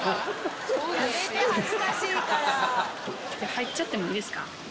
入っちゃってもいいですか？